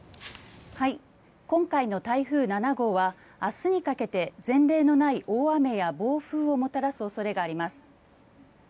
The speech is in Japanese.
今回の台風７号は明日にかけて前例のない大雨や暴風をもたらす恐れがあります。